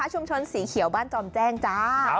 ชุมชนสีเขียวบ้านจอมแจ้งจ้า